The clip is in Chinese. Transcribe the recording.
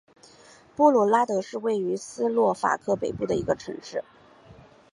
波普拉德是位于斯洛伐克北部的一个城市。